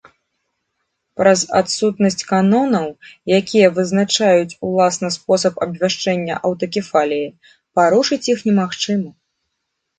Праз адсутнасць канонаў, якія вызначаюць уласна спосаб абвяшчэння аўтакефаліі, парушыць іх немагчыма.